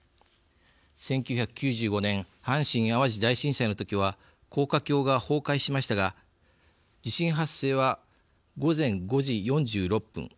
１９９５年阪神・淡路大震災の時は高架橋が崩壊しましたが地震発生は午前５時４６分。